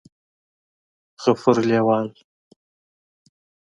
غفور لېوال